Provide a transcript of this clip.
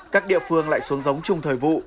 các địa phương lại xuống giống chung thời vụ